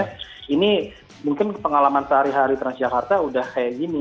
jadi memang sebenarnya ini mungkin pengalaman sehari hari transjakarta udah kayak gini